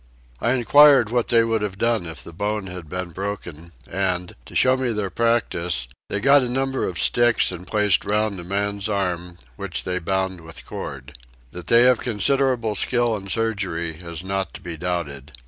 I enquired what they would have done if the bone had been broken and, to show me their practice, they got a number of sticks and placed round a man's arm, which they bound with cord. That they have considerable skill in surgery is not to be doubted.